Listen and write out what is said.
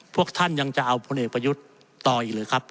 พวกท่านยังจะเอาพลเอกประยุทธ์ต่ออีกหรือครับ